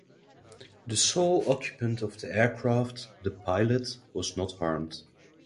The sole occupant of the aircraft, the pilot, was not harmed.